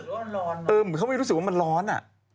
เค้าไม่ได้รู้สึกว่ามันร้อน